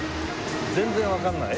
全然わかんない？